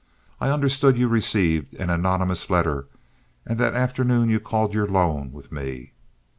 I understood you received an anonymous letter, and that afternoon you called your loan with me.